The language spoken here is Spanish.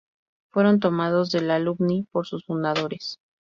Fueron tomados del Alumni, por sus fundadores.